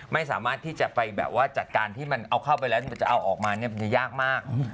ไม่สามารถที่จะไปแบบว่าจัดการที่มันเอาเข้าไปแล้วมันจะเอาออกมาเนี่ยมันจะยากมาก